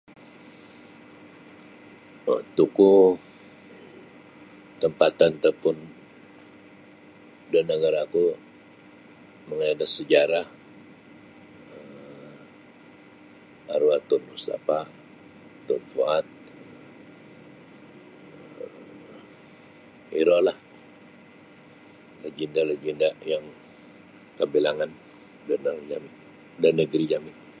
Tokoh tampatan ataupun da nagara ku mangaya da sajarah um arwah Tun Mustafah, Tun Fuad, um iro lah lagenda-lagenda yang kabilangan [unintelligible] da negeri jami.